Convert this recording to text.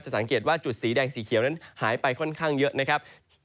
สังเกตว่าจุดสีแดงสีเขียวนั้นหายไปค่อนข้างเยอะนะครับ